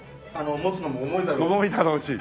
持つのも重いだろうと。